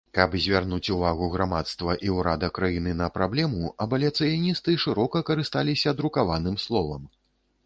Каб звярнуць увагу грамадства і ўрада краіны на праблему абаліцыяністы шырока карысталіся друкаваным словам.